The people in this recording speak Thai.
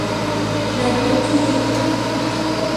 ในพื้นที่